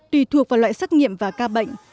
tùy thuộc vào loại xét nghiệm và ca bệnh